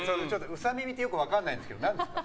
ウサ耳ってよく分からないんですけど何ですか？